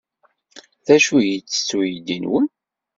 D acu ay yettett uydi-nwen?